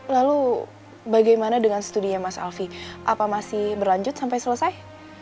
lalu bagaimana dengan studinya mas alvi apa masih berlanjut sampai selesai